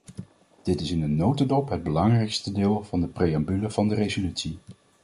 Dit is in een notendop het belangrijkste deel van de preambule van de resolutie.